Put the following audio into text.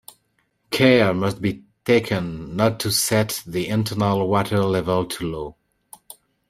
Care must be taken not to set the internal water level too low.